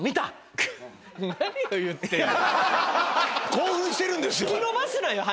興奮してるんですよ。